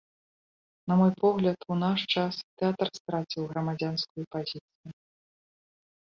На мой погляд, у наш час тэатр страціў грамадзянскую пазіцыю.